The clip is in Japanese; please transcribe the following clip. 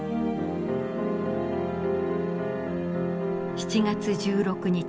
７月１６日。